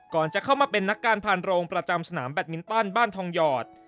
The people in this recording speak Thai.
จะเข้ามาเป็นนักการผ่านโรงประจำสนามแบตมินตันบ้านทองหยอด